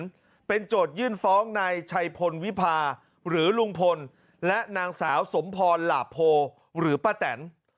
ซึ่งเป็นจุดยื่นฟ้องในชายพลวิพาหรือลุงพลและนางสาวสมพรหลับโพหรือป้าแต๋น